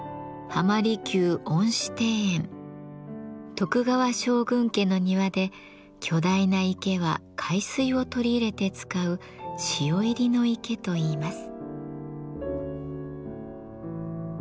徳川将軍家の庭で巨大な池は海水を取り入れて使う「潮入の池」といいます。